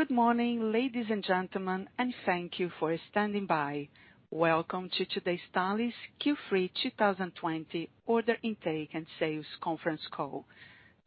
Good morning, ladies and gentlemen, thank you for standing by. Welcome to today's Thales Q3 2020 order intake and sales conference call.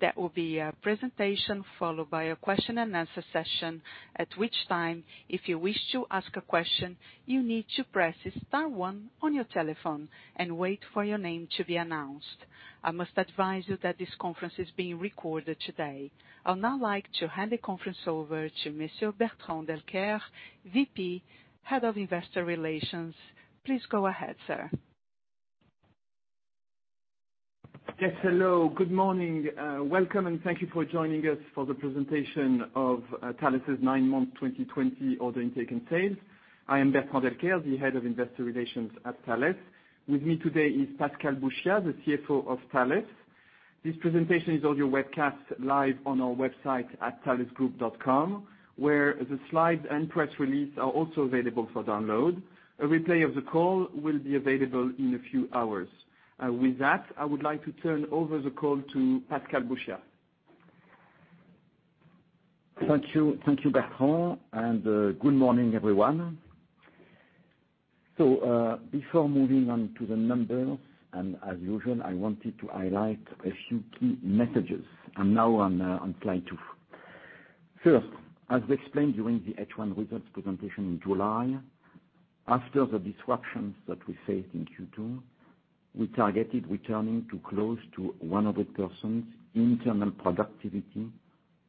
There will be a presentation followed by a question-and-answer session, at which time, if you wish to ask a question, you need to press star one on your telephone and wait for your name to be announced. I must advise you that this conference is being recorded today. I would now like to hand the conference over to Monsieur Bertrand Delcaire, VP, Head of Investor Relations. Please go ahead, sir. Yes. Hello. Good morning. Welcome, and thank you for joining us for the presentation of Thales's nine-month 2020 order intake and sales. I am Bertrand Delcaire, the Head of Investor Relations at Thales. With me today is Pascal Bouchiat, the CFO of Thales. This presentation is on your webcast live on our website at thalesgroup.com, where the slides and press release are also available for download. A replay of the call will be available in a few hours. With that, I would like to turn over the call to Pascal Bouchiat. Thank you, Bertrand. Good morning, everyone. Before moving on to the numbers, and as usual, I wanted to highlight a few key messages. I'm now on slide two. First, as we explained during the H1 results presentation in July, after the disruptions that we faced in Q2, we targeted returning to close to 100% internal productivity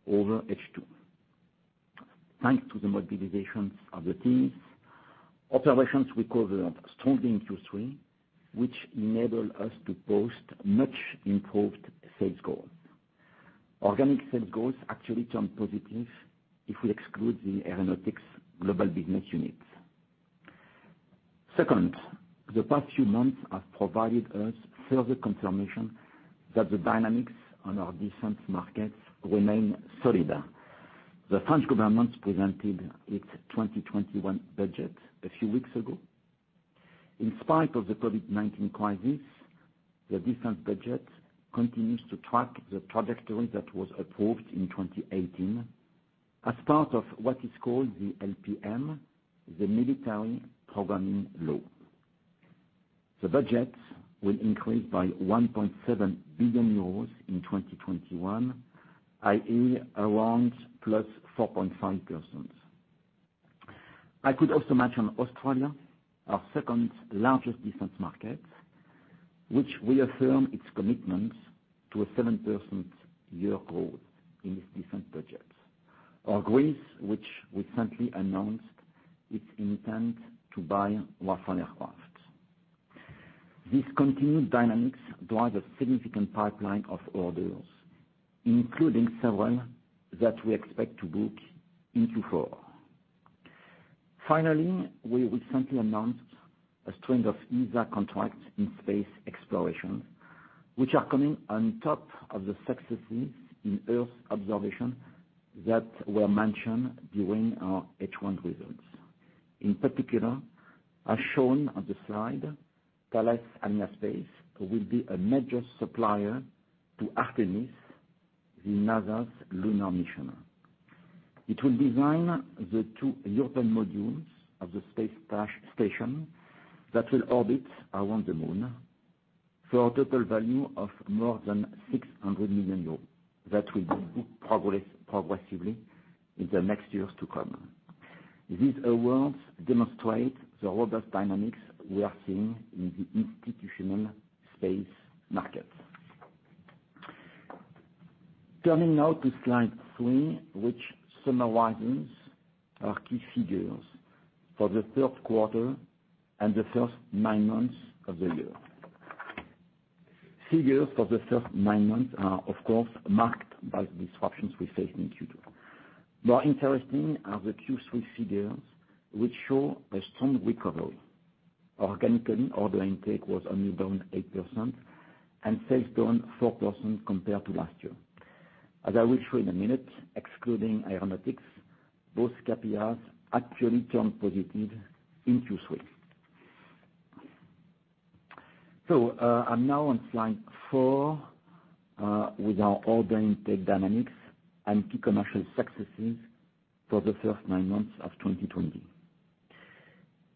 over H2. Thanks to the mobilizations of the teams, operations recovered strongly in Q3, which enabled us to post much-improved sales growth. Organic sales growth actually turned positive if we exclude the aeronautics global business units. Second, the past few months have provided us further confirmation that the dynamics on our defense markets remain solid. The French government presented its 2021 budget a few weeks ago. In spite of the COVID-19 crisis, the defense budget continues to track the trajectory that was approved in 2018 as part of what is called the LPM, the military programming law. The budget will increase by 1.7 billion euros in 2021, i.e., around +4.5%. I could also mention Australia, our second-largest defense market, which will affirm its commitment to a 7% year growth in its defense budget, or Greece, which recently announced its intent to buy Rafale aircraft. These continued dynamics drive a significant pipeline of orders, including several that we expect to book in Q4. Finally, we recently announced a string of ESA contracts in space exploration, which are coming on top of the successes in Earth observation that were mentioned during our H1 results. In particular, as shown on the slide, Thales Alenia Space will be a major supplier to Artemis, the NASA's lunar mission. It will design the two European modules of the space station that will orbit around the moon for a total value of more than 600 million euros that will be booked progressively in the next years to come. These awards demonstrate the robust dynamics we are seeing in the institutional space market. Turning now to slide three, which summarizes our key figures for the third quarter and the first nine months of the year. Figures for the first nine months are, of course, marked by the disruptions we faced in Q2. More interesting are the Q3 figures, which show a strong recovery. Organically, order intake was only down 8% and sales down 4% compared to last year. As I will show you in a minute, excluding aeronautics, both KPIs actually turned positive in Q3. I'm now on slide four with our order intake dynamics and key commercial successes for the first nine months of 2020.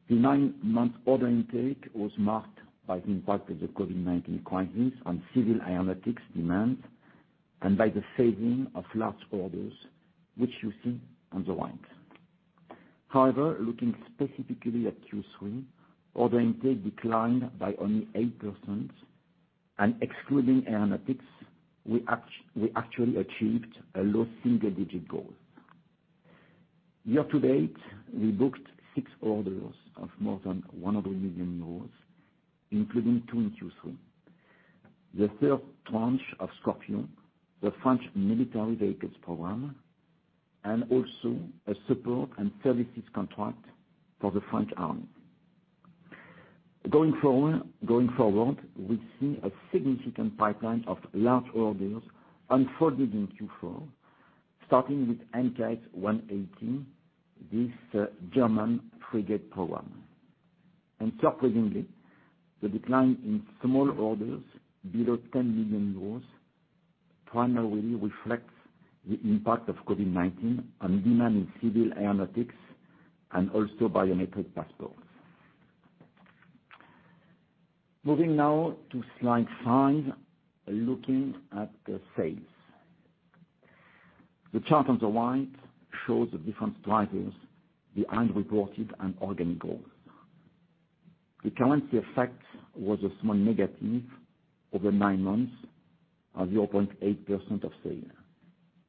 The nine-month order intake was marked by the impact of the COVID-19 crisis on civil aeronautics demand and by the phasing of large orders, which you see on the right. Looking specifically at Q3, order intake declined by only 8%, and excluding aeronautics, we actually achieved a low single-digit growth. Year to date, we booked six orders of more than 100 million euros, including two in Q3, the third tranche of Scorpion, the French military vehicles program, and also a support and services contract for the French Army. Going forward, we see a significant pipeline of large orders unfolding in Q4, starting with MKS 180, this German frigate program. Surprisingly, the decline in small orders below 10 million euros primarily reflects the impact of COVID-19 on demand in civil aeronautics and also biometric passports. Moving now to slide five, looking at the sales. The chart on the right shows the different drivers behind reported and organic growth. The currency effect was a small negative over nine months of 0.8% of sales.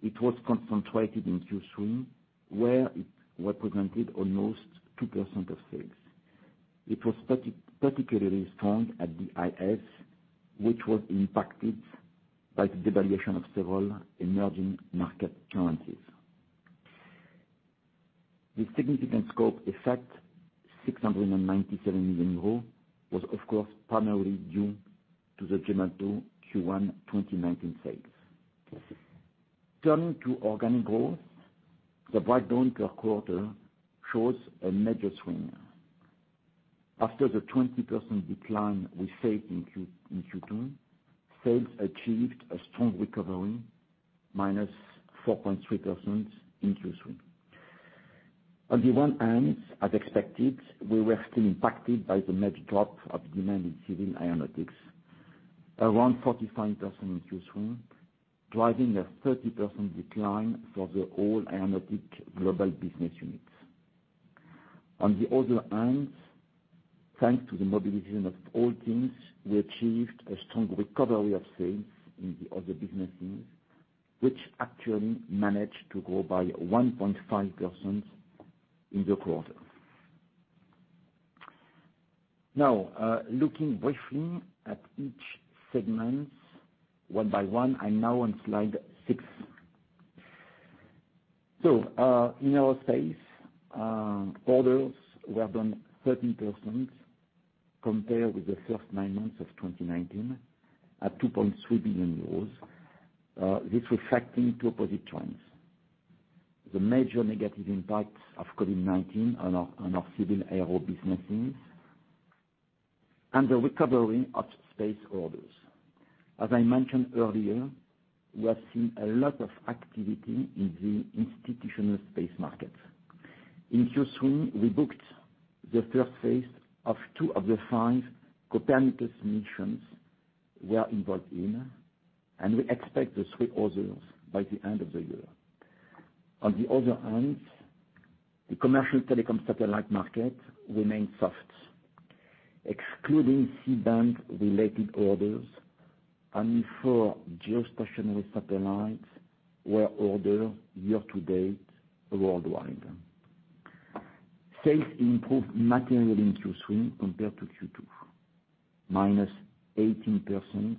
It was concentrated in Q3, where it represented almost 2% of sales. It was particularly strong at the DIS, which was impacted by the devaluation of several emerging market currencies. The significant scope effect, 697 million euros, was, of course, primarily due to the Gemalto Q1 2019 sales. Turning to organic growth, the breakdown per quarter shows a major swing. After the 20% decline we faced in Q2, sales achieved a strong recovery, -4.3% in Q3. As expected, we were still impacted by the mega drop of demand in civil aeronautics, around 45% in Q3, driving a 30% decline for the whole aeronautics global business unit. Thanks to the mobilization of all teams, we achieved a strong recovery of sales in the other businesses, which actually managed to grow by 1.5% in the quarter. Looking briefly at each segment one by one, I'm now on slide six. In our space, orders were down 13% compared with the first nine months of 2019, at 2.3 billion euros, this reflecting two opposite trends. The major negative impacts of COVID-19 on our civil aero businesses and the recovery of space orders. As I mentioned earlier, we are seeing a lot of activity in the institutional space market. In Q3, we booked the first phase of two of the five Copernicus missions we are involved in, and we expect the three others by the end of the year. The other hand, the commercial telecom satellite market remains soft, excluding C-band related orders, only four geostationary satellites were ordered year to date worldwide. Sales improved materially in Q3 compared to Q2, -18%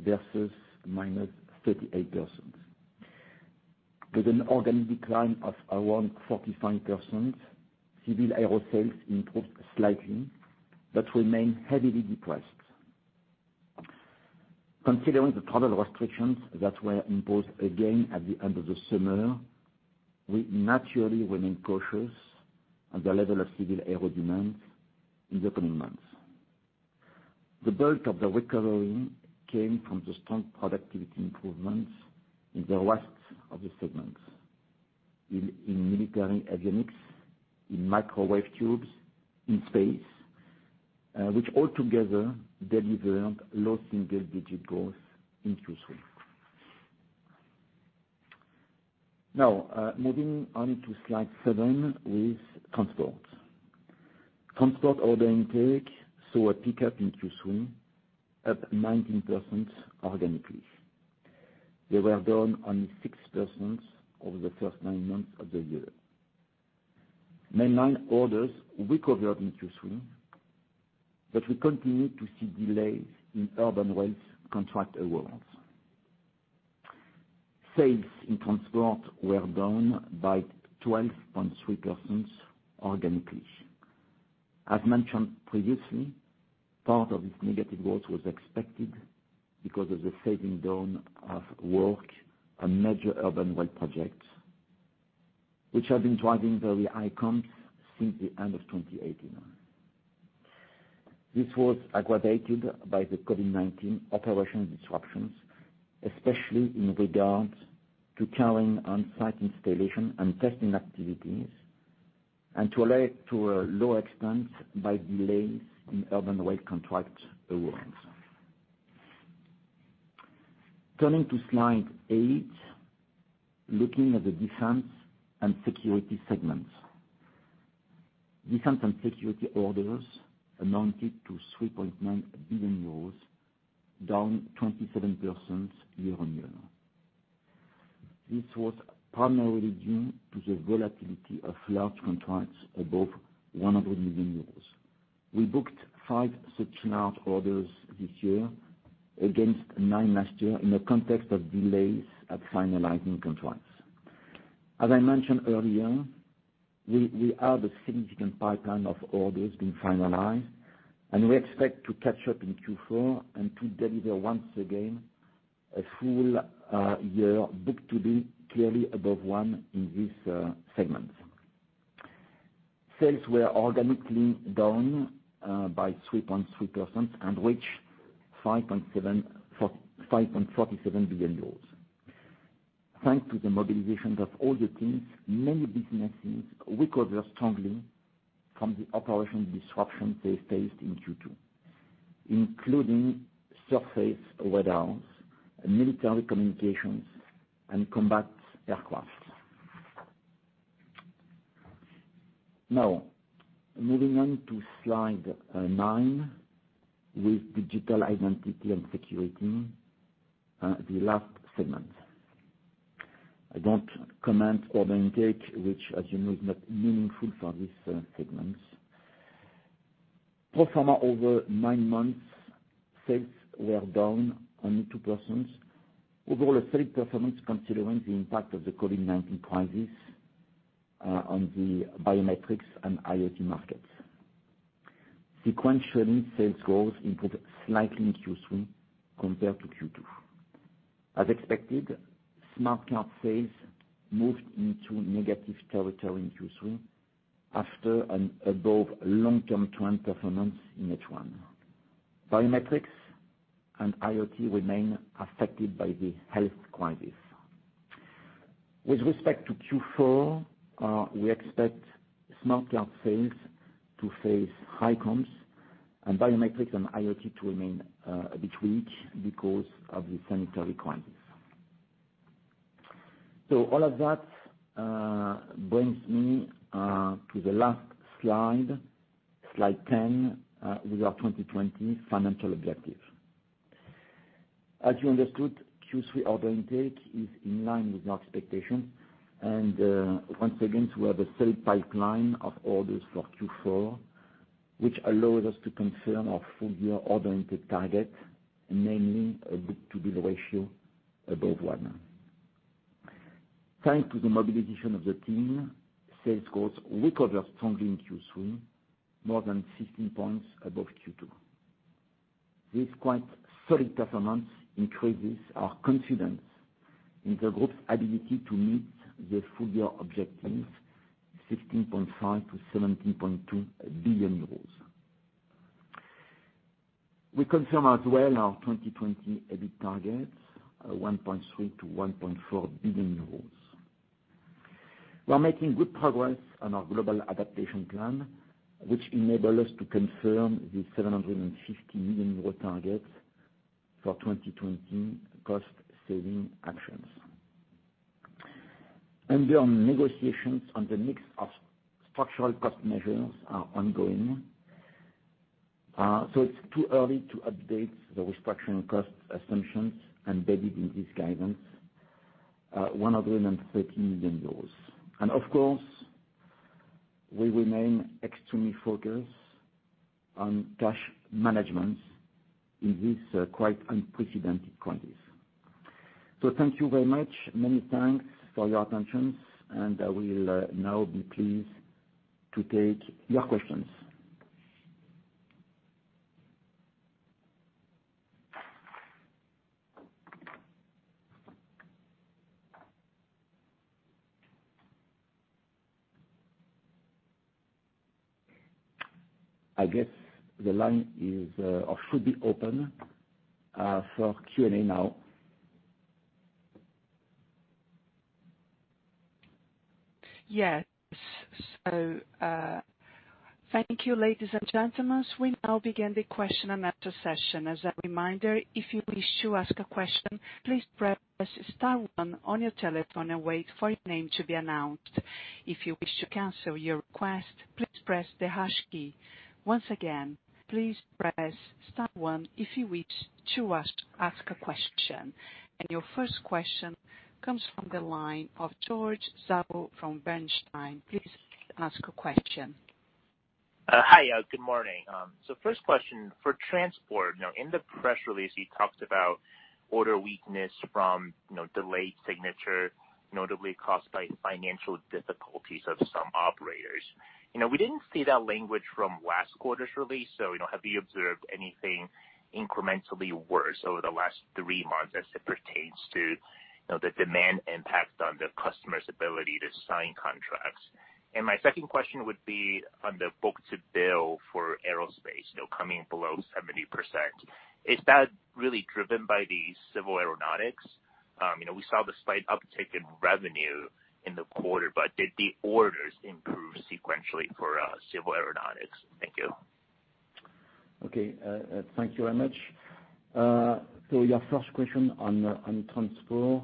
versus -38%. With an organic decline of around 45%, civil aero sales improved slightly but remain heavily depressed. Considering the travel restrictions that were imposed again at the end of the summer, we naturally remain cautious on the level of civil aero demand in the coming months. The bulk of the recovery came from the strong productivity improvements in the rest of the segments, in military avionics, in microwave tubes, in space, which altogether delivered low single-digit growth in Q3. Now, moving on to slide seven with transport. Transport order intake saw a pickup in Q3 at 19% organically. They were down only 6% over the first nine months of the year. Mainline orders recovered in Q3, but we continue to see delays in urban rails contract awards. Sales in transport were down by 12.3% organically. As mentioned previously, part of this negative growth was expected because of the fading down of work on major urban rail projects, which have been driving very high comps since the end of 2018. This was aggravated by the COVID-19 operation disruptions, especially in regards to carrying on-site installation and testing activities, and to a lower extent, by delays in urban rail contract awards. Turning to slide eight, looking at the defense and security segments. Defense and security orders amounted to 3.9 billion euros, down 27% year-on-year. This was primarily due to the volatility of large contracts above 100 million euros. We booked five such large orders this year, against nine last year, in a context of delays at finalizing contracts. As I mentioned earlier, we have a significant pipeline of orders being finalized, and we expect to catch up in Q4 and to deliver once again a full year book-to-bill clearly above one in this segment. Sales were organically down by 3.3% and reached 5.47 billion euros. Thanks to the mobilization of all the teams, many businesses recovered strongly from the operational disruption they faced in Q2, including surface radars, military communications, and combat aircraft. Now, moving on to slide nine, with Digital Identity and Security, the last segment. I won't comment order intake, which, as you know, is not meaningful for this segment. Pro forma over nine months, sales were down only 2%. Overall, a solid performance considering the impact of the COVID-19 crisis on the biometrics and IoT markets. Sequentially, sales growth improved slightly in Q3 compared to Q2. As expected, smart card sales moved into negative territory in Q3 after an above long-term trend performance in H1. Biometrics and IoT remain affected by the health crisis. With respect to Q4, we expect smart card sales to face high comps and biometrics and IoT to remain a bit weak because of the sanitary crisis. All of that brings me to the last slide 10, with our 2020 financial objective. As you understood, Q3 order intake is in line with our expectation and, once again, we have a solid pipeline of orders for Q4, which allows us to confirm our full-year order intake target, namely a book-to-bill ratio above one. Thanks to the mobilization of the team, sales growth recovered strongly in Q3, more than 15 points above Q2. This quite solid performance increases our confidence in the group's ability to meet the full-year objectives, 16.5 billion-17.2 billion euros. We confirm as well our 2020 EBIT targets, 1.3 billion-1.4 billion euros. We are making good progress on our global adaptation plan, which enable us to confirm the 750 million euro targets for 2020 cost-saving actions. The negotiations on the mix of structural cost measures are ongoing. It's too early to update the restructuring cost assumptions embedded in this guidance, 130 million euros. Of course, we remain extremely focused on cash management in this quite unprecedented crisis. Thank you very much. Many thanks for your attention, and I will now be pleased to take your questions. I guess the line should be open for Q&A now. Thank you, ladies and gentlemen. We now begin the question and answer session. As a reminder, if you wish to ask a question, please press star one on your telephone and wait for your name to be announced. If you wish to cancel your request, please press the hash key. Once again, please press star one if you wish to ask a question. Your first question comes from the line of George Zhao from Bernstein. Please ask a question. Hi. Good morning. First question for transport. In the press release, you talked about order weakness from delayed signature, notably caused by financial difficulties of some operators. We didn't see that language from last quarter's release. Have you observed anything incrementally worse over the last three months as it pertains to the demand impact on the customer's ability to sign contracts? My second question would be on the book-to-bill for aerospace, coming below 70%. Is that really driven by the civil aeronautics? We saw the slight uptick in revenue in the quarter. Did the orders improve sequentially for civil aeronautics? Thank you. Okay. Thank you very much. Your first question on transport.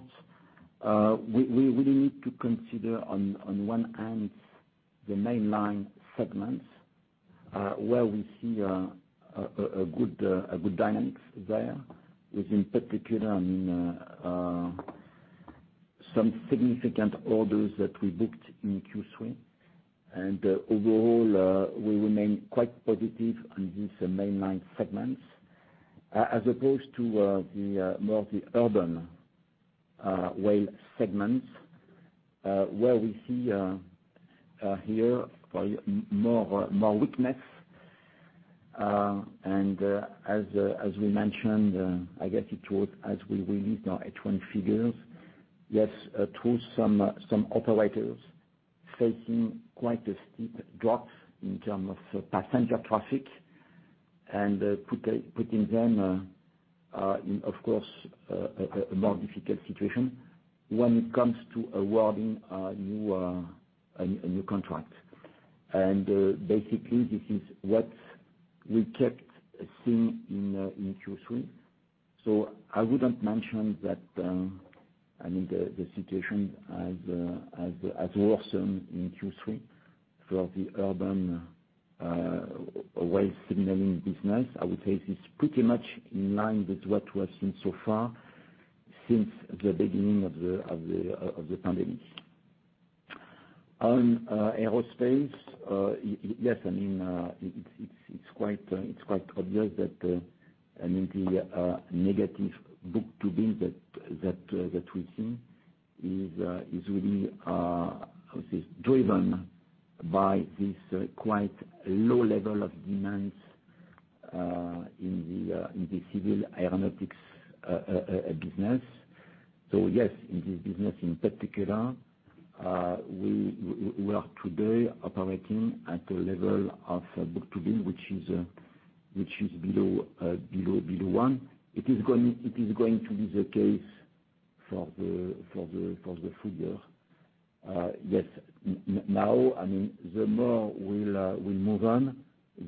We do need to consider, on one hand, the mainline segments, where we see a good dynamics there, with, in particular, some significant orders that we booked in Q3. Overall, we remain quite positive on this mainline segment, as opposed to more of the urban rail segments, where we see here more weakness. As we mentioned, I guess it was as we released our H1 figures. Yes, true, some operators facing quite a steep drop in terms of passenger traffic and putting them, of course, a more difficult situation when it comes to awarding a new contract. Basically, this is what we kept seeing in Q3. I wouldn't mention that the situation has worsened in Q3 for the urban rail signaling business. I would say it is pretty much in line with what we have seen so far since the beginning of the pandemic. On aerospace. Yes, it's quite obvious that the negative book-to-bill that we've seen is really, how to say, driven by this quite low level of demands in the civil aeronautics business. Yes, in this business in particular, we are today operating at a level of book-to-bill, which is below one. It is going to be the case for the full year. Yes. Now, the more we move on,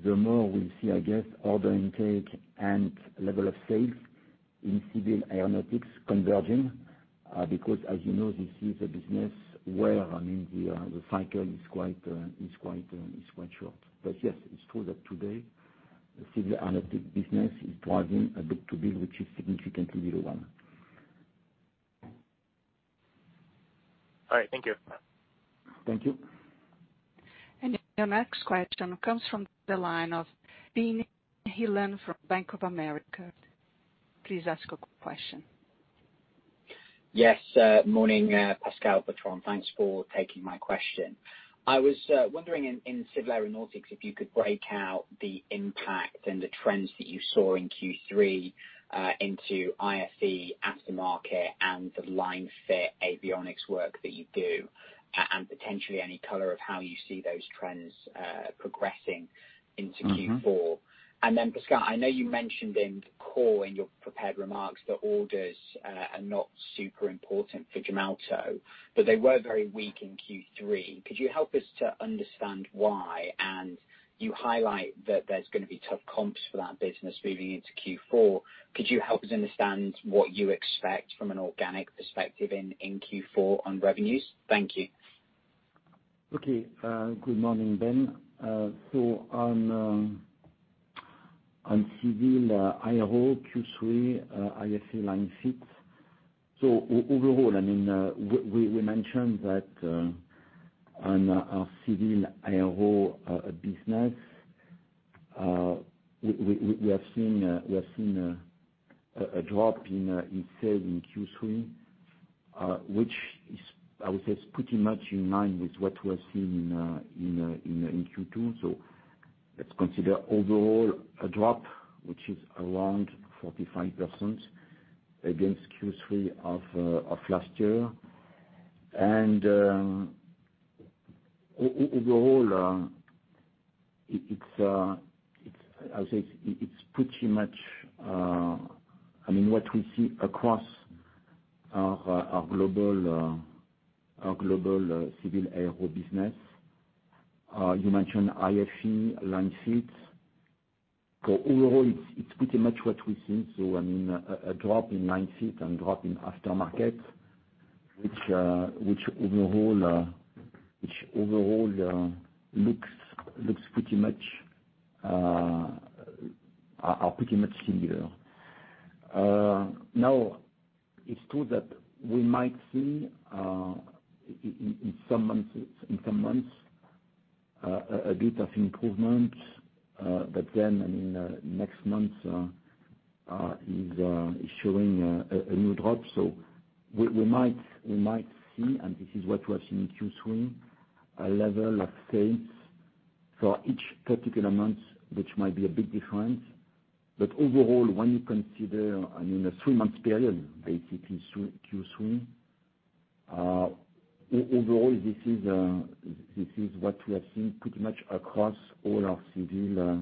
the more we see, I guess, order intake and level of sales in civil aeronautics converging, because as you know, this is a business where the cycle is quite short. Yes, it's true that today the civil aeronautics business is driving a book-to-bill, which is significantly below one. All right. Thank you. Thank you. The next question comes from the line of Ben Heelan from Bank of America. Please ask your question. Yes. Morning, Pascal, Bertrand. Thanks for taking my question. I was wondering in civil aeronautics, if you could break out the impact and the trends that you saw in Q3 into IFE aftermarket and the line fit avionics work that you do, and potentially any color of how you see those trends progressing into Q4. Pascal, I know you mentioned in core, in your prepared remarks, that orders are not super important for Gemalto; they were very weak in Q3. Could you help us to understand why? You highlight that there's going to be tough comps for that business moving into Q4. Could you help us understand what you expect from an organic perspective in Q4 on revenues? Thank you. Okay. Good morning, Ben. On civil aero Q3, IFE line fits. Overall, we mentioned that on our civil aero business, we have seen a drop in sales in Q3, which is, I would say, is pretty much in line with what we are seeing in Q2. Overall, I would say it's pretty much what we see across our global civil aero business. You mentioned IFE line fits. Overall, it's pretty much what we've seen. A drop in line fit and drop in aftermarket, which overall are pretty much similar. It's true that we might see, in some months, a bit of improvement. Then, next month is showing a new drop. We might see, and this is what we have seen in Q3, a level of sales for each particular month, which might be a bit different. Overall, when you consider a three-month period, basically Q3, this is what we have seen pretty much across all our civil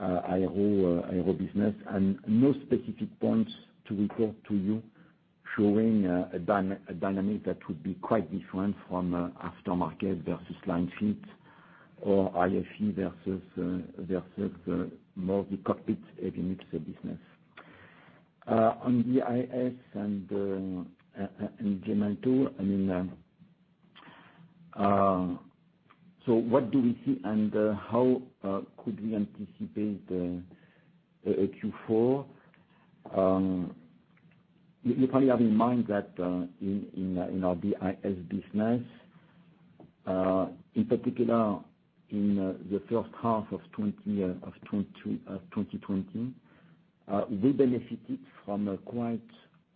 aero business and no specific points to report to you showing a dynamic that would be quite different from aftermarket versus line fit or IFE versus more the cockpit avionics business. On the DIS and Gemalto, what do we see, and how could we anticipate a Q4? You probably have in mind that in our DIS business, in particular in the first half of 2020, we benefited from quite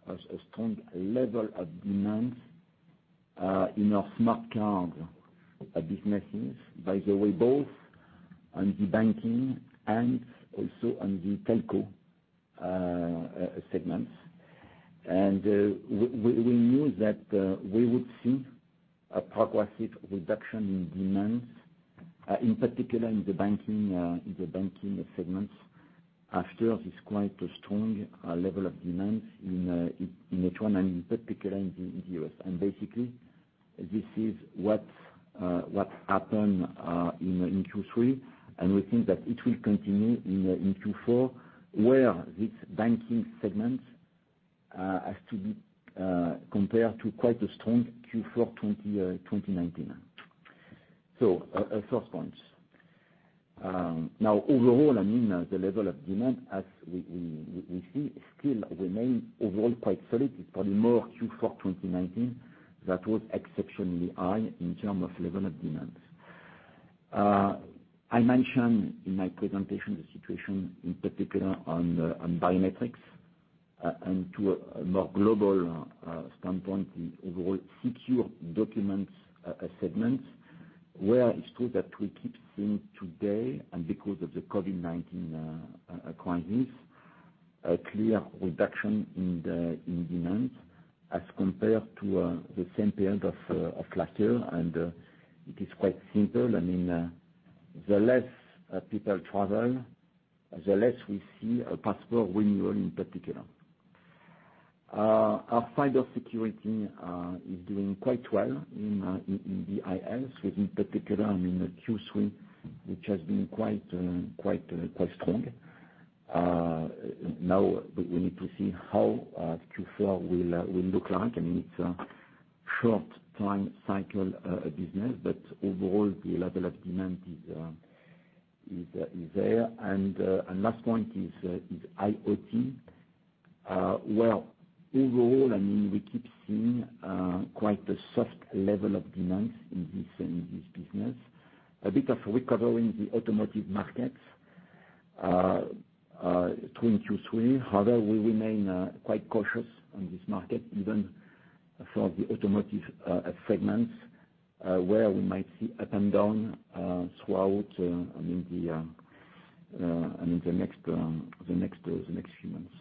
a strong level of demand in our smart card businesses, by the way, both on the banking and also on the telco segments. We knew that we would see a progressive reduction in demands, in particular in the banking segments. After this quite a strong level of demands in H1 and in particular in the U.S. Basically, this is what happened in Q3, and we think that it will continue in Q4, where this banking segment has to be compared to quite a strong Q4 2019. First point. Overall, the level of demand, as we see, still remains overall quite solid. It's probably more Q4 2019 that was exceptionally high in terms of level of demands. I mentioned in my presentation the situation, in particular, on biometrics. To a more global standpoint, the overall secure documents segments, where it's true that we keep seeing today, and because of the COVID-19 crisis, a clear reduction in demands as compared to the same period of last year. It is quite simple, the less people travel, the less we see a passport renewal in particular. Our side of security is doing quite well in DIS with in particular, in Q3, which has been quite strong. We need to see how Q4 will look like. It's a short-time cycle business, but overall, the level of demand is there. Last point is IoT. Where overall, we keep seeing quite a soft level of demands in this business. A bit of recovery in the automotive markets during Q3. However, we remain quite cautious on this market, even for the automotive segments, where we might see up and down throughout the next few months.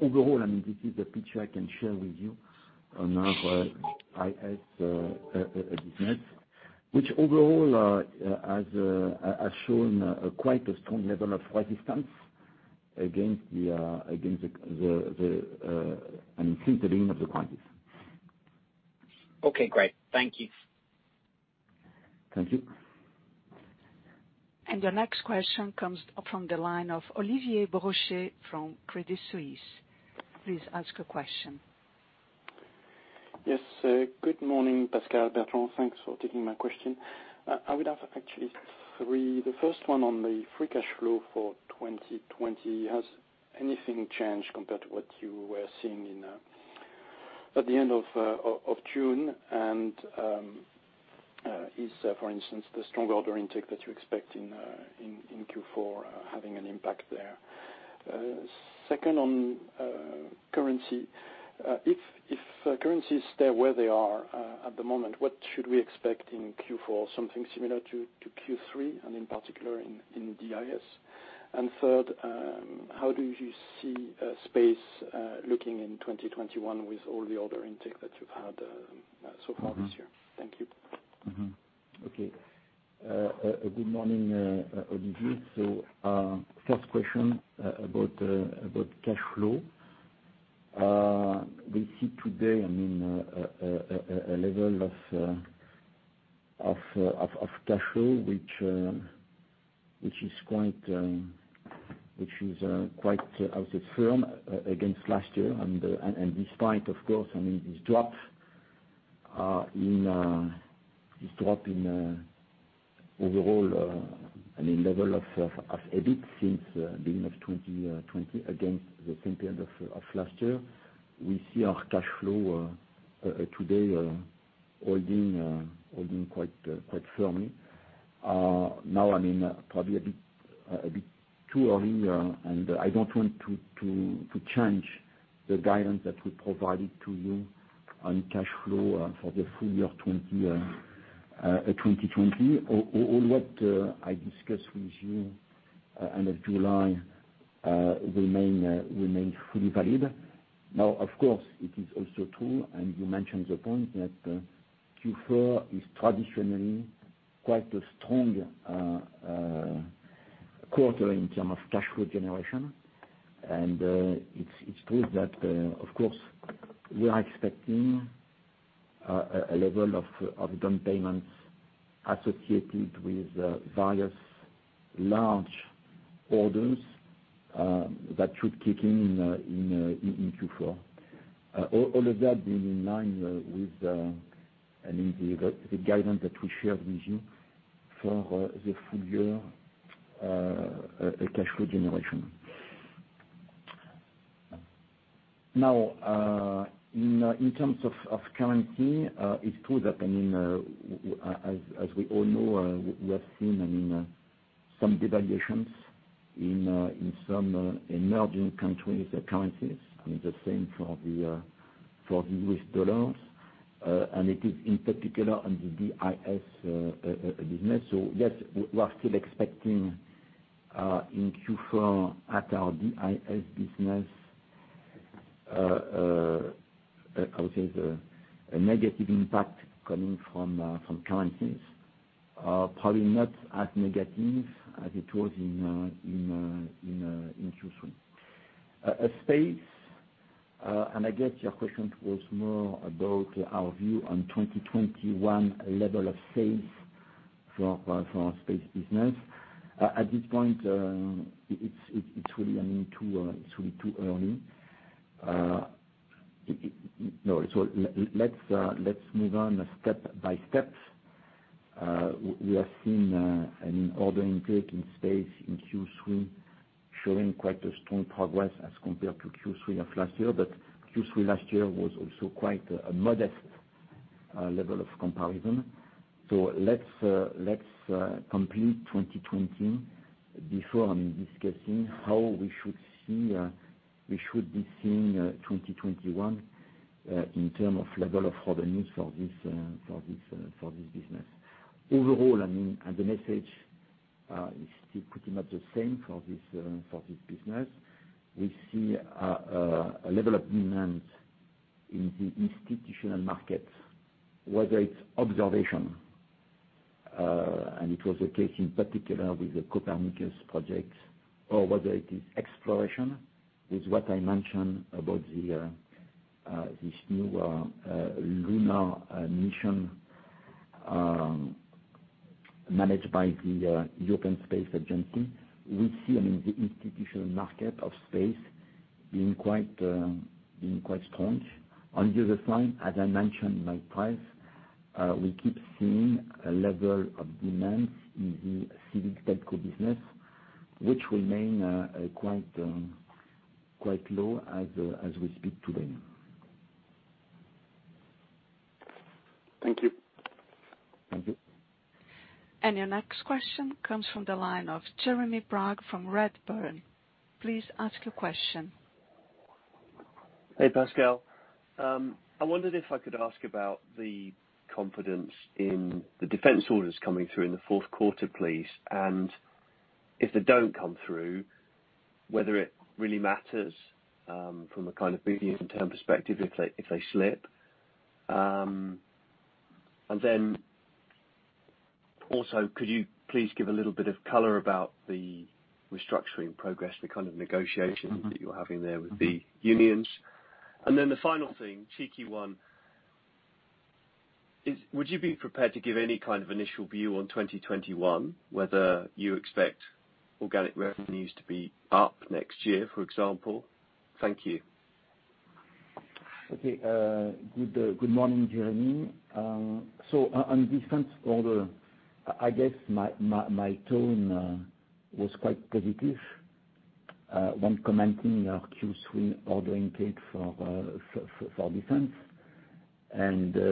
Overall, this is the picture I can share with you on our IS business, which overall has shown quite a strong level of resistance against the increasing of the crisis. Okay, great. Thank you. Thank you. Your next question comes up from the line of Olivier Brochet from Credit Suisse. Please ask your question. Yes. Good morning, Pascal, Bertrand. Thanks for taking my question. I would have actually three. The first one on the free cash flow for 2020. Has anything changed compared to what you were seeing at the end of June? Is, for instance, the strong order intake that you expect in Q4 having an impact there? Second, on currency. If currencies stay where they are at the moment, what should we expect in Q4? Something similar to Q3, and in particular in DIS? Third, how do you see space looking in 2021 with all the other intake that you've had so far this year? Thank you. Okay. Good morning, Olivier. First question about cash flow. We see today a level of cash flow, which is quite out of firm against last year. Despite, of course, this drop in overall level of EBIT since beginning of 2020 against the same period of last year. We see our cash flow today holding quite firmly. Now, probably a bit too early, and I don't want to change the guidance that we provided to you on cash flow for the full year 2020. All what I discussed with you end of July remain fully valid. Now, of course, it is also true, and you mentioned the point that Q4 is traditionally quite a strong quarter in term of cash flow generation. It's true that, of course, we are expecting a level of down payments associated with various large orders that should kick in in Q4. All of that being in line with the guidance that we shared with you for the full year cash flow generation. In terms of currency, it is true that, as we all know, we have seen some devaluations in some emerging countries' currencies, and the same for the U.S. dollar, and it is in particular on the DIS business. Yes, we are still expecting in Q4 at our DIS business, I would say, the negative impact coming from currencies, probably not as negative as it was in Q3. Space, I guess your question was more about our view on 2021 level of sales for our space business. At this point, it is really too early. No. Let's move on step by step. We have seen an order intake in space in Q3, showing quite a strong progress as compared to Q3 of last year. Q3 last year was also quite a modest level of comparison. Let's complete 2020 before I'm discussing how we should be seeing 2021 in terms of level of revenues for this business. Overall, the message is still pretty much the same for this business. We see a level of demand in the institutional market, whether it's observation, and it was the case in particular with the Copernicus projects, or whether it is exploration, is what I mentioned about this new lunar mission managed by the European Space Agency. We see the institutional market of space being quite strong. On the other side, as I mentioned, Mike Price, we keep seeing a level of demand in the civil tech business, which remains quite low as we speak today. Thank you. Thank you. Your next question comes from the line of Jeremy Bragg from Redburn. Please ask your question. Hey, Pascal. I wondered if I could ask about the confidence in the defense orders coming through in the fourth quarter, please. If they don't come through, whether it really matters, from a kind of medium-term perspective, if they slip. Also, could you please give a little bit of color about the restructuring progress, the kind of negotiations that you're having there with the unions? The final thing, cheeky one, would you be prepared to give any kind of initial view on 2021, whether you expect organic revenues to be up next year, for example? Thank you. Okay. Good morning, Jeremy. On defense order, I guess my tone was quite positive when commenting our Q3 ordering take for defense. It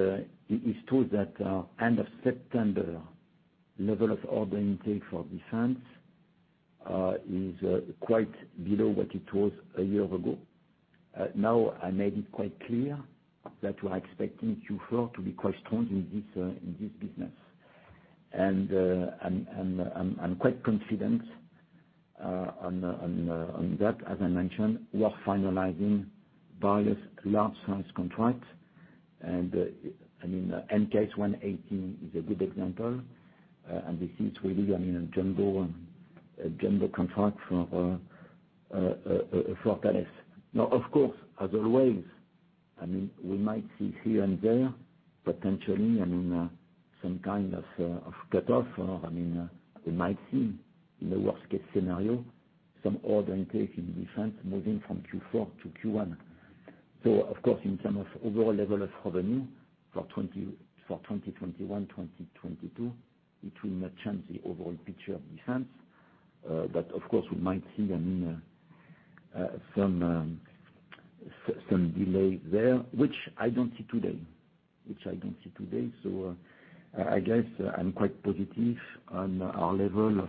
is true that end of September level of order intake for defense is quite below what it was a year ago. Now, I made it quite clear that we are expecting Q4 to be quite strong in this business. I'm quite confident on that. As I mentioned, we are finalizing various large-size contracts. I mean, MKS 180 is a good example. This is really a jumbo contract for Thales. Now, of course, as always, we might see here and there, potentially, some kind of cutoff. We might see in a worst-case scenario, some order intake in defense moving from Q4 to Q1. Of course, in terms of overall level of revenue for 2021, 2022, it will not change the overall picture of defense. Of course, we might see some delay there, which I don't see today. I guess I'm quite positive on our level of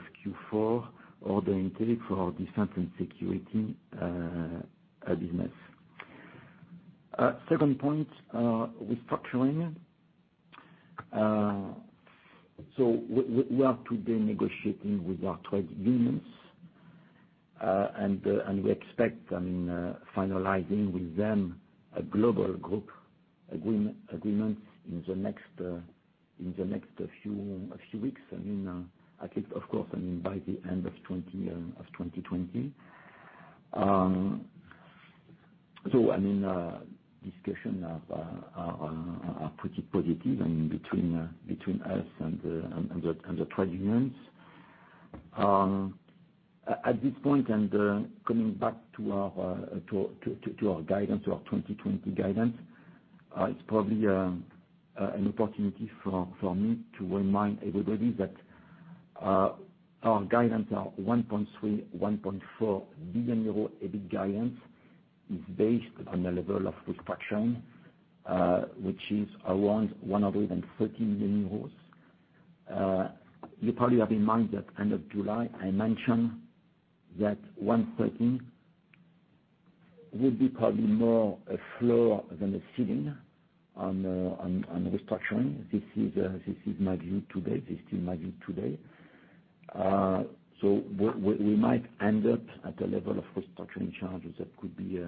Q4 order intake for our Defense and Security business. Second point, restructuring. We are today negotiating with our trade unions. We expect finalizing with them a global group agreement in the next few weeks, of course, by the end of 2020. Discussions are pretty positive between us and the trade unions. At this point, and coming back to our 2020 guidance, it's probably an opportunity for me to remind everybody that our guidance is 1.3 billion-1.4 billion euros EBIT guidance, which is based on the level of restructuring, which is around 130 million euros. You probably have in mind that end of July, I mentioned that 113 will be probably more a floor than a ceiling on restructuring. This is my view today. We might end up at a level of restructuring charges that could be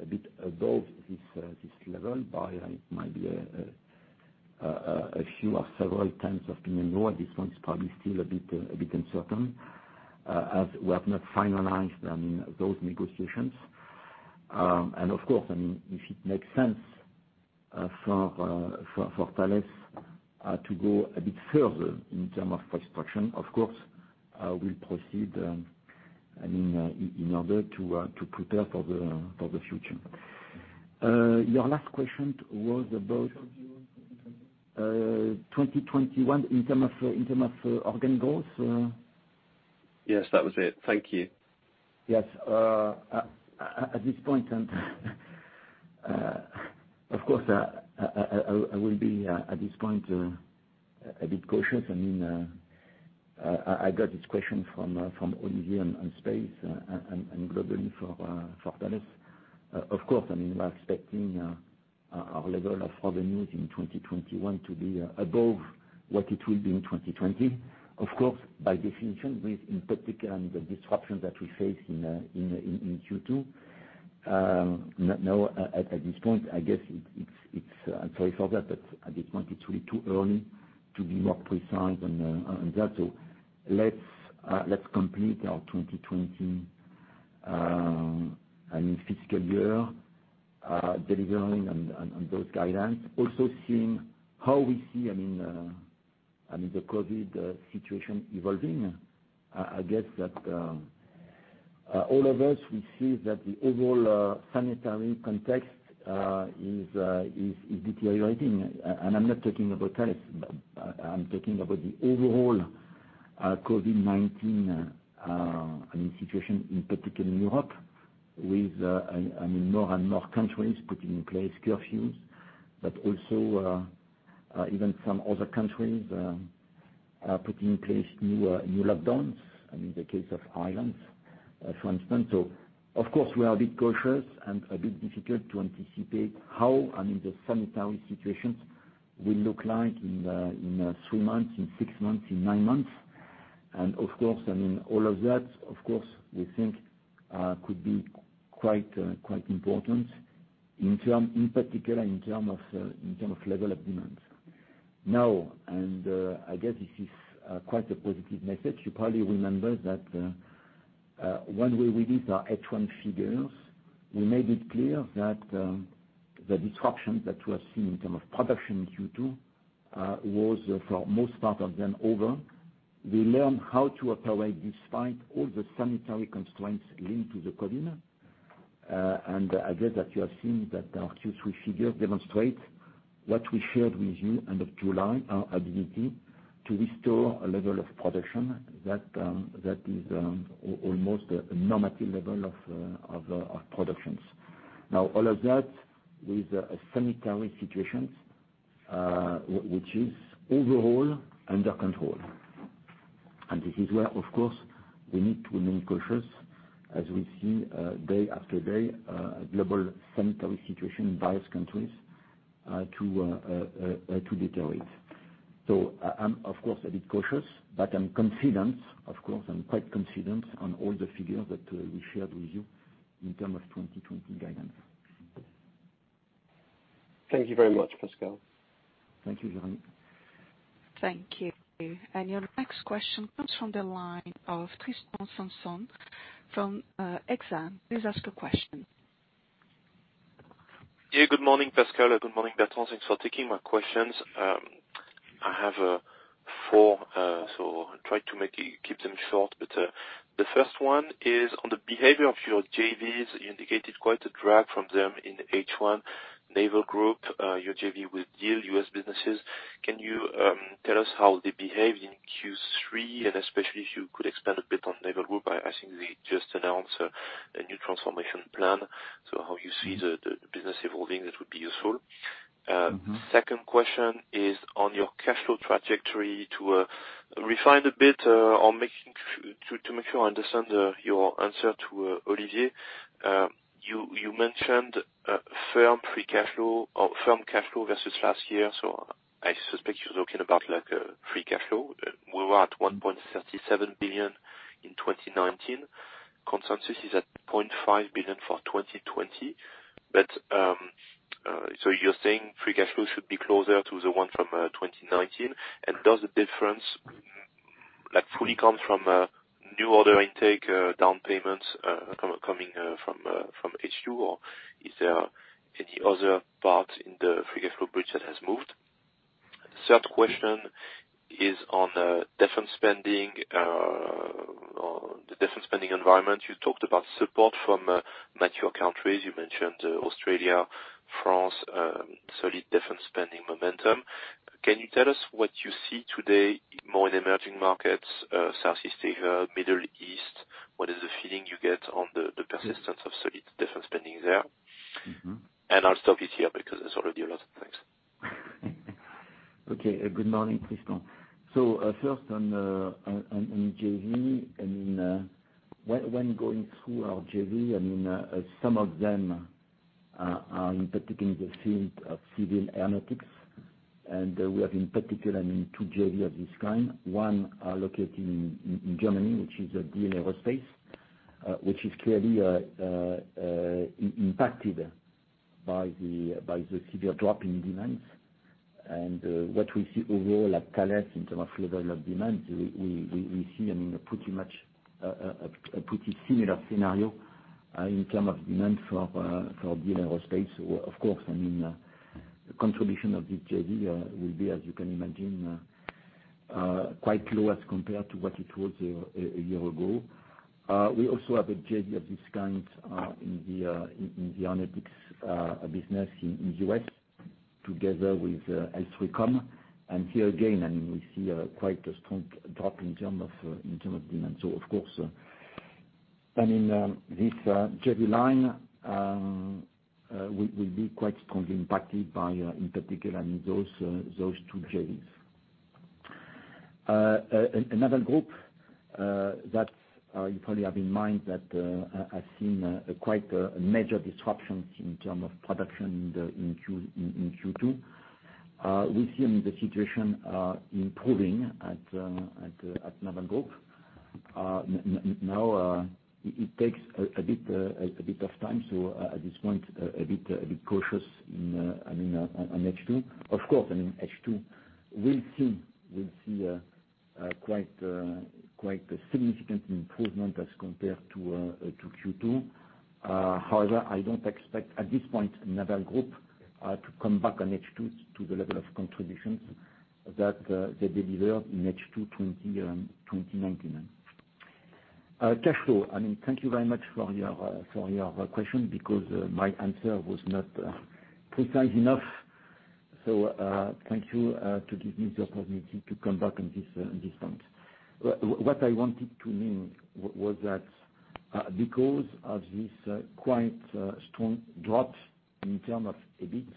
a bit above this level by, it might be a few or several tens of million euro. This one's probably still a bit uncertain, as we have not finalized on those negotiations. Of course, if it makes sense for Thales to go a bit further in term of restructuring, of course, we'll proceed in order to prepare for the future. Your last question was about 2021 in terms of organic growth? Yes, that was it. Thank you. Yes. I will be, at this point, a bit cautious. I got this question from Olivier on space and globally for Thales. We are expecting our level of revenues in 2021 to be above what it will be in 2020. By definition, with in particular the disruptions that we face in Q2. At this point, I'm sorry for that. At this point, it's really too early to be more precise on that. Let's complete our 2020 fiscal year, delivering on those guidelines. Also, seeing how we see the COVID situation evolving. I guess that all of us, we see that the overall sanitary context is deteriorating, I'm not talking about Thales, I'm talking about the overall COVID-19 situation, in particular in Europe, with more and more countries putting in place curfews. Also, even some other countries put in place new lockdowns, in the case of Ireland, for instance. Of course, we are a bit cautious and a bit difficult to anticipate how the sanitary situations will look like in three months, in six months, in nine months. All of that, of course, we think could be quite important, in particular in terms of level of demand. Now, I guess this is quite a positive message. You probably remember that when we released our H1 figures, we made it clear that the disruptions that we have seen in terms of production in Q2 was for most part of them, over. We learn how to operate despite all the sanitary constraints linked to the COVID-19. I guess that you have seen that our Q3 figures demonstrate what we shared with you end of July, our ability to restore a level of production that is almost a normative level of our productions. All of that with a sanitary situation which is overall under control. This is where, of course, we need to remain cautious as we see day after day global sanitary situation in various countries to deteriorate. I'm of course a bit cautious, but I'm confident, of course, I'm quite confident on all the figures that we shared with you in term of 2020 guidance. Thank you very much, Pascal. Thank you, Jeremy. Thank you. Your next question comes from the line of Tristan Sanson from Exane. Please ask a question. Yeah. Good morning, Pascal. Good morning, Bertrand. Thanks for taking my questions. I have four. I try to keep them short. The first one is on the behavior of your JVs. You indicated quite a drag from them in H1, Naval Group, your JV with Diehl, U.S. businesses. Can you tell us how they behaved in Q3? Especially if you could expand a bit on Naval Group. I think they just announced a new transformation plan. How you see the business evolving? That would be useful. Second question is on your cash flow trajectory to refine a bit, to make sure I understand your answer to Olivier. You mentioned firm cash flow versus last year, so I suspect you're talking about like a free cash flow. We were at 1.37 billion in 2019. Consensus is at 0.5 billion for 2020. You're saying free cash flow should be closer to the one from 2019? Does the difference fully come from new order intake, down payments coming from HQ, or is there any other part in the free cash flow bridge that has moved? Third question is on defense spending environment. You talked about support from mature countries. You mentioned Australia, France, solid defense spending momentum. Can you tell us what you see today more in emerging markets, Southeast Asia, Middle East? What is the feeling you get on the persistence of solid defense spending there? I'll stop it here because it's already a lot. Thanks. Okay. Good morning, Tristan. First on JV. When going through our JV, some of them are in particular in the field of civil aeronautics, and we have in particular two JV of this kind. One are located in Germany, which is a Diehl Aerospace, which is clearly impacted by the severe drop in demands. What we see overall at Thales in terms of level of demands, we see a pretty similar scenario in term of demand for Diehl Aerospace. Of course, contribution of this JV will be, as you can imagine, quite low as compared to what it was a year ago. We also have a JV of this kind in the aeronautics business in U.S. together with L3Com. Here again, we see quite a strong drop in term of demand. Of course, this JV line will be quite strongly impacted by, in particular, those two JVs. Naval Group that you probably have in mind that, has seen quite major disruptions in terms of production in Q2. We've seen the situation improving at Naval Group. Now it takes a bit of time. At this point, a bit cautious on H2. Of course, H2 will see a quite significant improvement as compared to Q2. However, I don't expect at this point Naval Group to come back on H2 to the level of contributions that they delivered in H2 2019. Cash flow. Thank you very much for your question, because my answer was not precise enough. Thank you to give me the opportunity to come back on this point. What I wanted to mean was that because of this quite strong drop in terms of EBIT,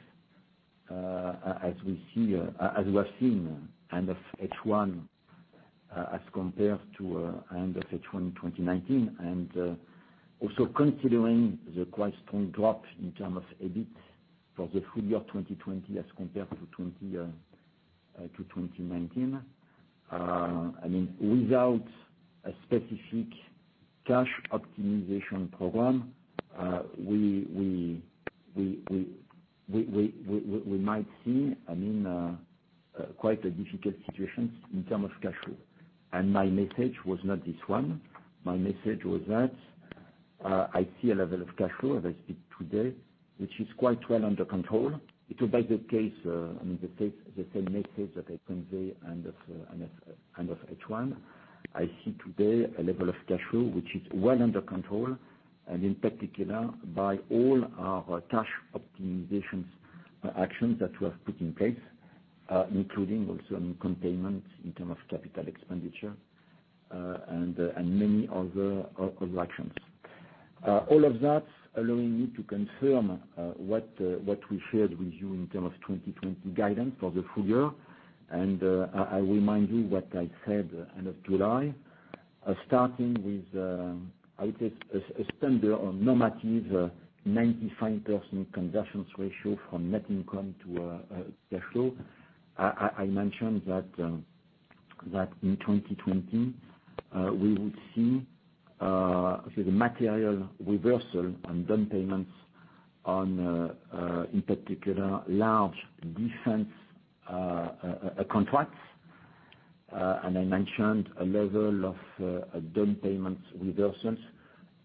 as we have seen end of H1 as compared to end of H1 2019, and also considering the quite strong drop in terms of EBIT for the full year 2020 as compared to 2019. Without a specific cash optimization program, we might see quite a difficult situation in terms of cash flow. My message was not this one. My message was that I see a level of cash flow as I speak today, which is quite well under control. It will be the case, the same message that I convey end of H1. I see today a level of cash flow which is well under control, and in particular by all our cash optimization actions that we have put in place, including also in containment in terms of capital expenditure. Many other actions. All of that allowing me to confirm what we shared with you in terms of 2020 guidance for the full year. I remind you what I said end of July, starting with, I would say a standard or normative 95% conversion ratio from net income to cash flow. I mentioned that in 2020, we would see the material reversal on down payments on, in particular, large defense contracts. I mentioned a level of down payments reversals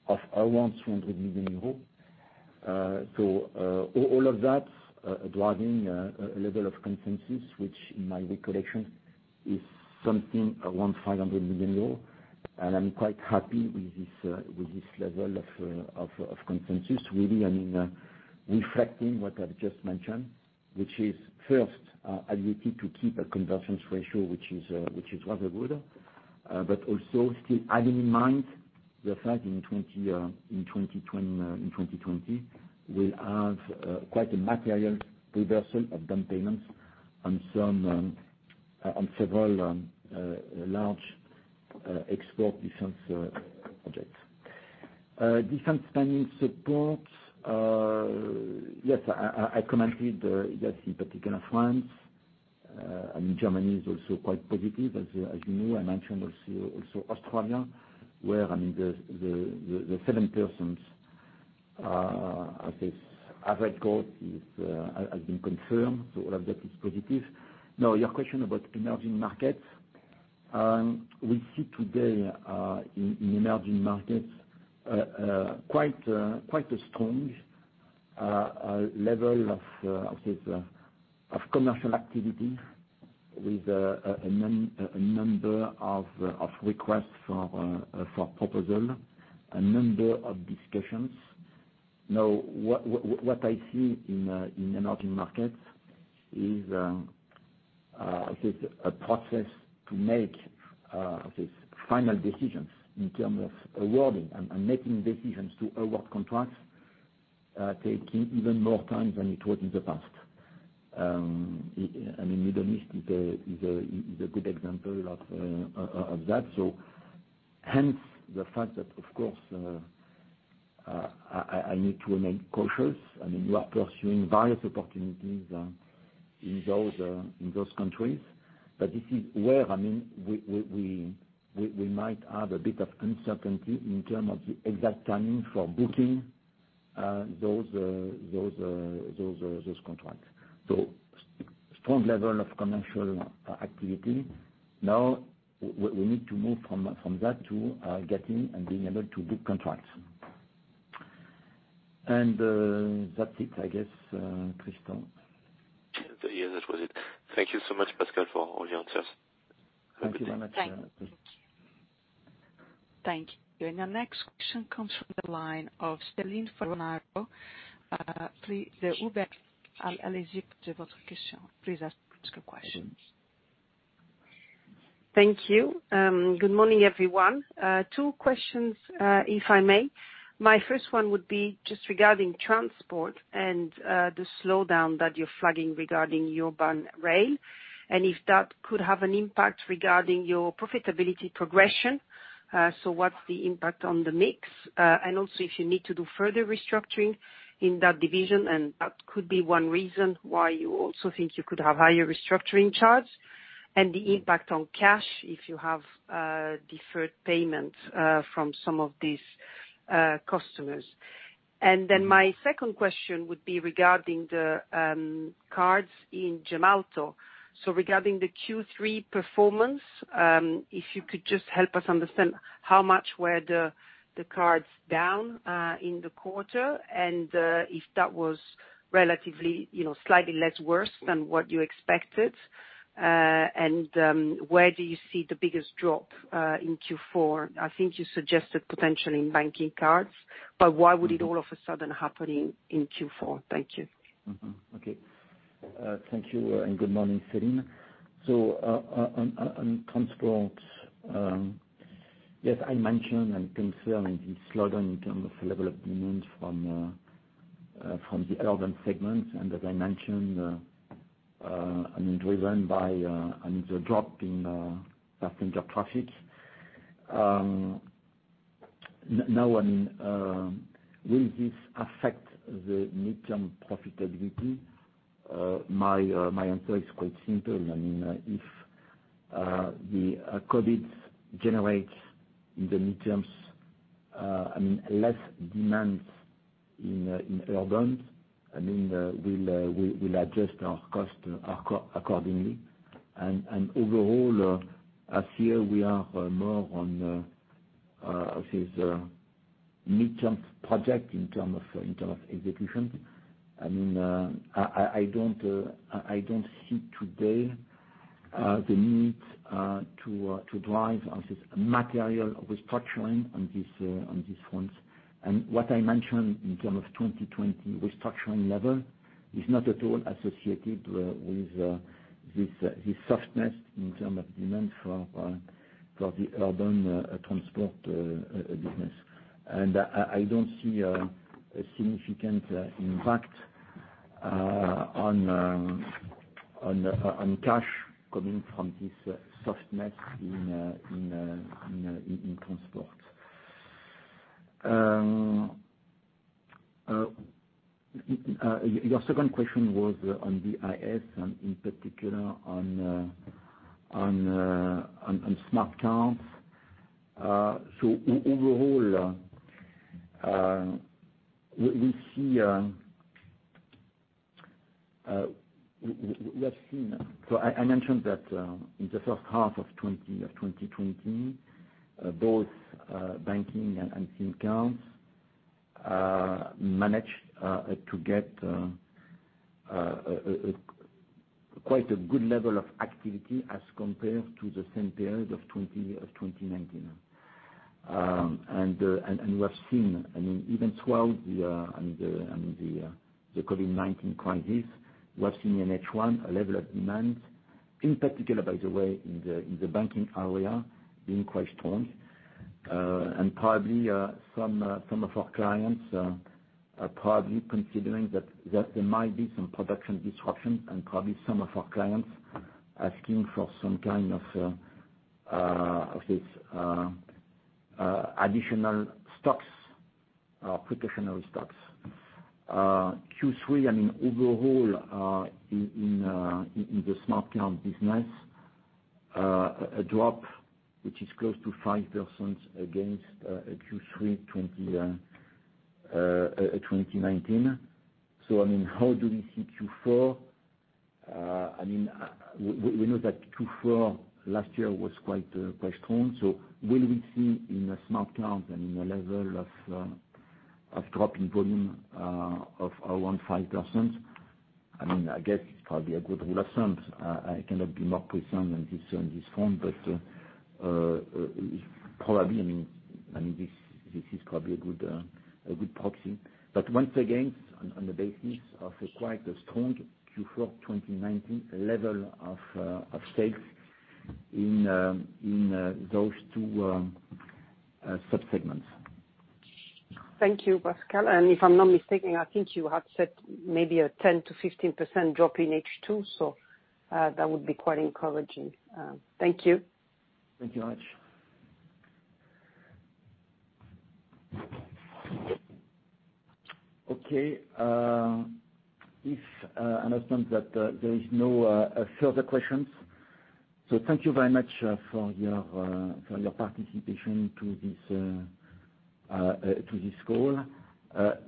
of around 200 million euros. All of that driving a level of consensus, which in my recollection is something around 500 million euros. I'm quite happy with this level of consensus, really, reflecting what I've just mentioned, which is first our ability to keep a conversion ratio, which is rather good. Also, still having in mind the fact in 2020, we have quite a material reversal of down payments on several large export defense projects. Defense spending support. Yes, I commented that in particular, France and Germany is also quite positive, as you know. I mentioned also Australia, where the seven persons, I would say average growth has been confirmed. All of that is positive. Now, your question about emerging markets. We see today in emerging markets quite a strong level of commercial activity with a number of requests for proposal, a number of discussions. What I see in emerging markets is a process to make final decisions in terms of awarding and making decisions to award contracts, taking even more time than it would in the past. Middle East is a good example of that. Hence, the fact that, of course, I need to remain cautious. We are pursuing various opportunities in those countries, but this is where we might have a bit of uncertainty in terms of the exact timing for booking those contracts. Strong level of commercial activity. We need to move from that to getting and being able to book contracts. That's it, I guess, Tristan. Yeah, that was it. Thank you so much, Pascal, for all your answers. Thank you very much. Thank you. Our next question comes from the line of Celine Fornaro. Please ask your questions. Thank you. Good morning, everyone. Two questions, if I may. My first one would be just regarding transport and the slowdown that you're flagging regarding urban rail, and if that could have an impact regarding your profitability progression. What's the impact on the mix? Also, if you need to do further restructuring in that division, and that could be one reason why you also think you could have higher restructuring charges. The impact on cash if you have deferred payments from some of these customers. My second question would be regarding the cards in Gemalto. Regarding the Q3 performance, if you could just help us understand how much were the cards down in the quarter and if that was relatively slightly less worse than what you expected. Where do you see the biggest drop in Q4? I think you suggested potentially in banking cards. Why would it all of a sudden happen in Q4? Thank you. Okay. Thank you, and good morning, Celine. On transport, yes, I mentioned and concerned the slowdown in terms of level of demand from the urban segment. As I mentioned, and driven by the drop in passenger traffic. Will this affect the midterm profitability? My answer is quite simple. If the COVID generates in the midterms less demands in urban, we'll adjust our costs accordingly. Overall, as here we are more on this midterm project in term of execution. I don't see today the need to drive, as is material restructuring on these fronts. What I mentioned in terms of 2020 restructuring level is not at all associated with this softness in term of demand for the urban transport business. I don't see a significant impact on cash coming from this softness in transport. Your second question was on DIS and, in particular, on smart cards. Overall, I mentioned that in the first half of 2020, both banking and SIM cards managed to get quite a good level of activity as compared to the same period of 2019. We have seen, even throughout the COVID-19 crisis, in H1 a level of demand, in particular, by the way, in the banking area, being quite strong. Some of our clients are considering that there might be some production disruption, and some of our clients asking for some kind of these additional stocks or precautionary stocks. Q3, overall, in the smart card business, a drop which is close to 5% against a Q3 2019. How do we see Q4? We know that Q4 last year was quite strong. Will we see in the smart cards and in the level of drop in volume of around 5%? I guess it's probably a good rule of thumb. I cannot be more precise than this on this front, but this is probably a good proxy. Once again, on the basis of a quite a strong Q4 2019 level of sales in those two sub-segments. Thank you, Pascal. If I'm not mistaken, I think you had said maybe a 10%-15% drop in H2. That would be quite encouraging. Thank you. Thank you much. Okay. If I understand that there is no further questions. Thank you very much for your participation to this call.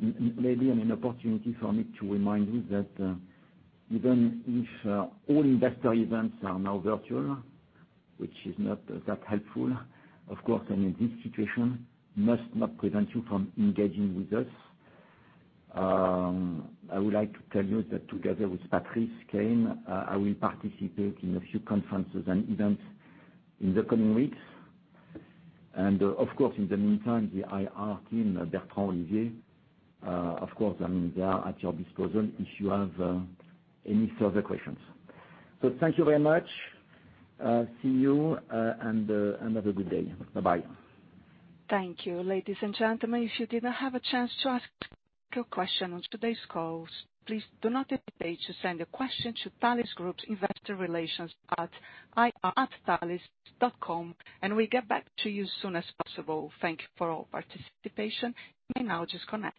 Maybe an opportunity for me to remind you that even if all investor events are now virtual, which is not that helpful, of course, and in this situation must not prevent you from engaging with us. I would like to tell you that together with Patrice Caine, I will participate in a few conferences and events in the coming weeks. Of course, in the meantime, the IR team, Bertrand Delcaire, of course, they are at your disposal if you have any further questions. Thank you very much. See you, and have a good day. Bye-bye. Thank you. Ladies and gentlemen, if you didn't have a chance to ask your question on today's call, please do not hesitate to send a question to Thales Group's investor relations at ir@thales.com, and we'll get back to you as soon as possible. Thank you for all participation. You may now disconnect.